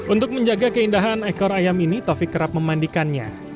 untuk menjaga keindahan ekor ayam ini taufik kerap memandikannya